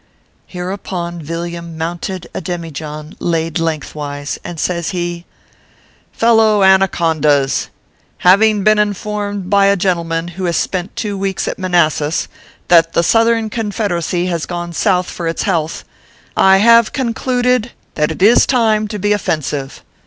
Hereupon Villiam mounted a demijohn laid length wise, and says he : "FELLOW ANACONDAS: Having been informed by a gentleman who has spent two weeks at Manassas, that the Southern Confederacy has gone South for its health, I have concluded that it is time to be offen sive.